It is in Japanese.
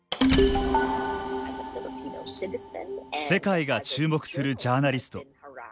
世界が注目するジャーナリスト。